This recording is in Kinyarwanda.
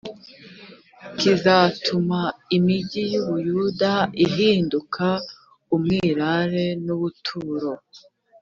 kizatuma imigi y’u buyuda ihinduka umwirare n’ubuturo